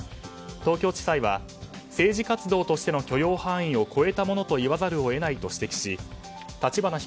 東京地裁は政治活動としての許容範囲を超えたものと言わざるを得ないと指摘し立花